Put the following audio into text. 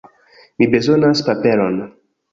Mi bezonas paperon